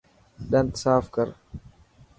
ڏنت ساف ڪر.